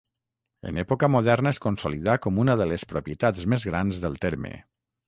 En època moderna es consolidà com una de les propietats més grans del terme.